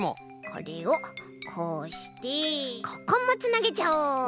これをこうしてここもつなげちゃおう！